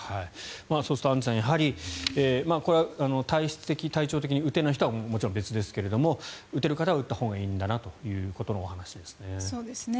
そうするとアンジュさんやはり体質的、体調的に打てない人はもちろん別ですが打てる方は打ったほうがいいんだというお話ですね。